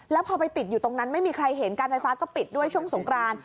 แล้วพอไปติดอยู่ตรงนั้นไม่มีใครเห็นการไฟฟ้าก็ปิดด้วยช่วงสงกราน